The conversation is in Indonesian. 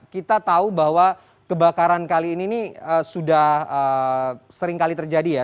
kita tahu bahwa kebakaran kali ini sudah sering kali terjadi ya